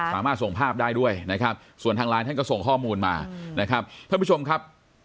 สามารถส่งภาพได้ด้วยนะครับส่วนทางไลน์ท่านก็ส่งข้อมูลมานะครับท่านผู้ชมครับ